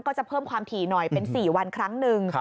ก็จะเพิ่มความถี่หน่อยเป็น๔วันครั้งหนึ่ง